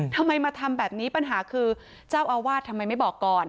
ทำไมมาทำแบบนี้ปัญหาคือเจ้าอาวาสทำไมไม่บอกก่อน